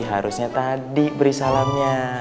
harusnya tadi beri salamnya